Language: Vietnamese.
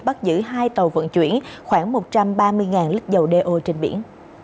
bắt giữ hai tàu vận chuyển khoảng một trăm ba mươi lít dầu đeo trên biển